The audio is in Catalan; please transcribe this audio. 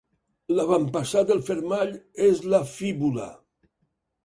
L'avantpassat del fermall és la fíbula.